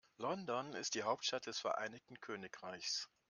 London ist die Hauptstadt des Vereinigten Königreichs.